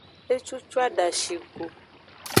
Ecucu adashi go.